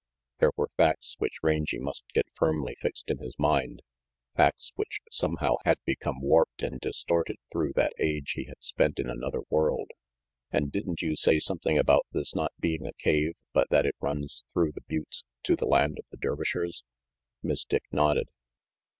There were facts which Rangy must get firmly fixed in his mind, facts which somehow had become warped and distorted through that age he had spent in another world. "And didn't you say something about this not being a cave, but that it runs through the buttes to the land of the Dervishers?" Miss Dick nodded.